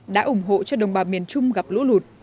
đã ủng hộ cho đồng bào miền trung gặp lũ lụt